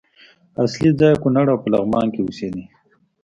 اصلي ځای یې کونړ او په لغمان کې اوسېده.